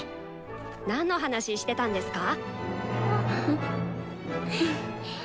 なんの話してたんですか？